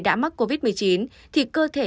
đã mắc covid một mươi chín thì cơ thể